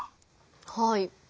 はい。